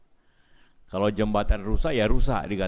jika jembatan api ini diperlindungi oleh aset aset negara